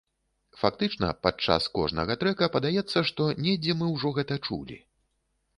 Фактычна, падчас кожнага трэка падаецца, што недзе мы ўжо гэта чулі.